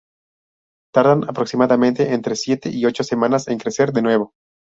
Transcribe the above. Tardan aproximadamente entre siete y ocho semanas en crecer de nuevo.